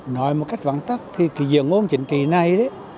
nói một cách văn tắc thì cái diện ngôn chính trị này